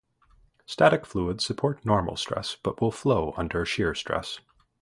Static fluids support normal stress but will flow under shear stress.